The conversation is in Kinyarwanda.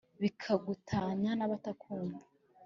bikagutanya n’abatakumva